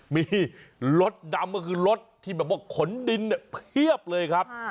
มีรถดำก็คือรถที่แบบว่าขนดินเนี่ยเพียบเลยครับ